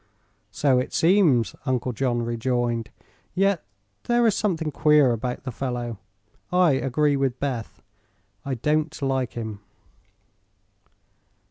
"So it seems," Uncle John rejoined; "yet there is something queer about the fellow, I agree with Beth; I don't like him."